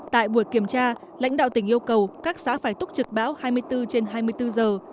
tại buổi kiểm tra lãnh đạo tỉnh yêu cầu các xã phải túc trực bão hai mươi bốn trên hai mươi bốn giờ